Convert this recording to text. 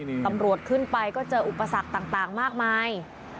นี่ตำรวจขึ้นไปก็เจออุปสรรคต่างมากมาย